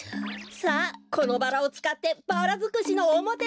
さあこのバラをつかってバラづくしのおもてなしをするよ。